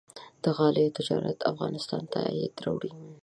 د غالۍ تجارت افغانستان ته عواید راوړي.